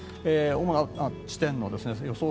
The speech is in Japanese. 主な地点の予想